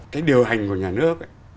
cái điều hành của nhà nước